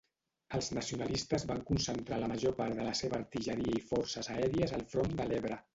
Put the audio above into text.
Els nacionalistes van concentrar la major part de la seva artilleria i forces aèries al front de l'Ebre.